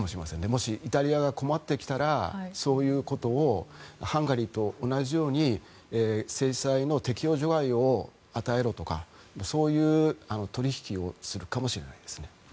もしイタリアが困ってきたらハンガリーと同じように制裁の適用除外を与えろとか、そういう取引をするかもしれないですね。